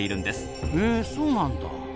へえそうなんだ。